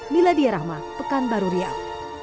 miladiyarrahma pekanbaru riau